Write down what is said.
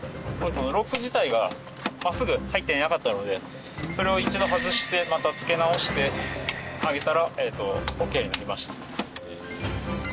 このロック自体が真っすぐ入っていなかったのでそれを一度外してまた付け直してあげたらオッケーになりました。